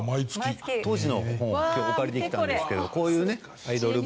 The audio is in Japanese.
当時の本を今日お借りできたんですけどこういうねアイドル本。